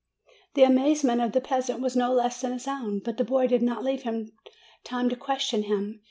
The amazement of the peasant was no less than his own; but the boy did not leave him time to question him.